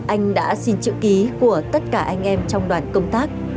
anh đã xin chữ ký của tất cả anh em trong đoàn công tác